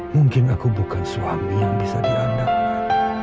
mungkin aku bukan suami yang bisa diandalkan